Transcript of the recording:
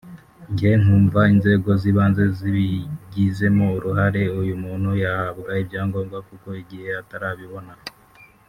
[…] njye nkumva inzego z’ibanze zibigizemo uruhare uyu muntu yahabwa ibyangombwa kuko igihe atarabibona